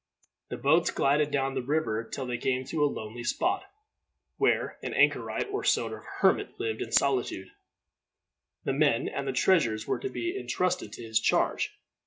The boats glided down the river till they came to a lonely spot, where an anchorite or sort of hermit lived in solitude. The men and the treasures were to be intrusted to his charge.